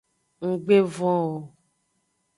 Nggbe von o.